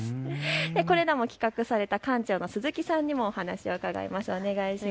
これらを企画された館長の鈴木さんにもお話を伺います。